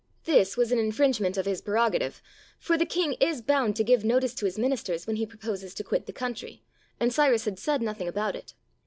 This was an infringement of his prerogative, for the king is bound to give notice to his ministers, when he proposes to quit the country, and Cyrus had said nothing about it.